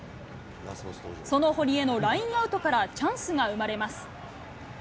その堀江のラインアウトからチャンスが生まれます。